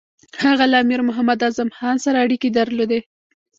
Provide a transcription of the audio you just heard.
هغه له امیر محمد اعظم خان سره اړیکې درلودې.